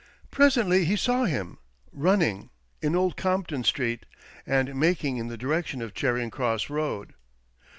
Presently he saw him, run ning, in Old Compton Street, and making in the direction of Charing Cross Koad.